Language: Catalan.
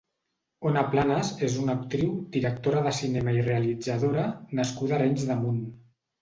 Ona Planas és una actriu, directora de cinema i realitzadora, nascuda a Arenys de Munt.